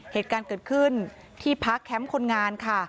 เหตุการณ์เกิดขึ้นที่พักแคมป์คนงานค่ะ